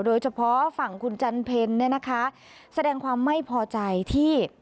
โดยเฉพาะฝั่งคุณจันเพลเนี่ยนะคะแสดงความไม่พอใจที่